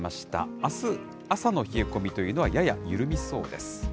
あす朝の冷え込みというのは、やや緩みそうです。